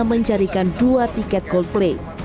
mencarikan dua tiket coldplay